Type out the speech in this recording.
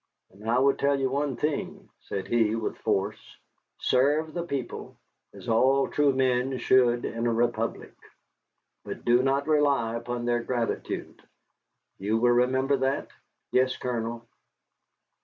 "And I would tell you one thing," said he, with force; "serve the people, as all true men should in a republic. But do not rely upon their gratitude. You will remember that?" "Yes, Colonel."